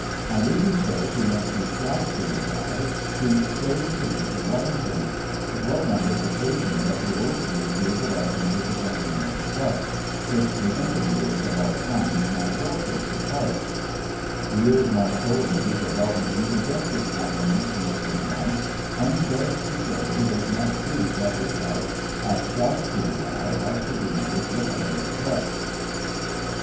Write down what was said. On leaving Stowe she went to Strathfieldsaye to stay with the Duke of Wellington. It was on this occasion that the old Duke gave a lesson to the gentlemen of the Press> which the interviewers of our times might well take to heart :" Field Marshal the Duke of Wellington presents his compli ments to Mr. , and begs to say he does not see what his house at Strathfieldsaye has to do with the public press."